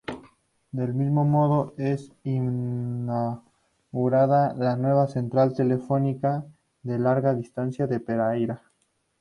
Del mismo modo, es inaugurada la nueva central telefónica de larga distancia en Pereira.